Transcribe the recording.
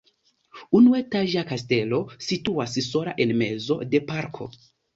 La unuetaĝa kastelo situas sola en mezo de parko.